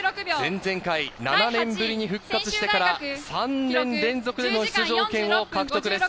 前々回、７年ぶりに復活してから３年連続での出場権を獲得です。